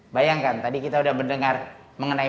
bayangkan tadi kita sudah mendengar mengenai